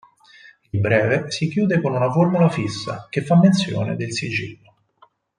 Il breve si chiude con una formula fissa, che fa menzione del sigillo.